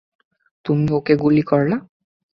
তুমি ওকে গুলি করলা।